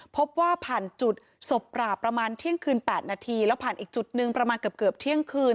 พบว่าผ่านจุดศพปราบประมาณเที่ยงคืน๘นาทีแล้วผ่านอีกจุดหนึ่งประมาณเกือบเที่ยงคืน